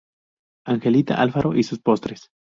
Angelita Alfaro y sus postres.